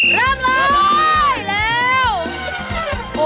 เริ่มแล้วเร็ว